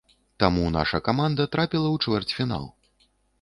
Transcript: Таму наша каманда трапіла ў чвэрцьфінал.